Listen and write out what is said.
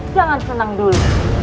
jangan senang dulu